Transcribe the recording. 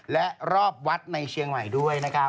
และรอบวัดในเชียงใหม่ด้วยนะครับ